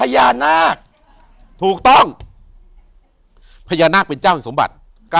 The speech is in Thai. อยู่ที่แม่ศรีวิรัยิลครับ